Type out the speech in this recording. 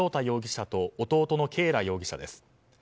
容疑者と弟の啓良容疑者です。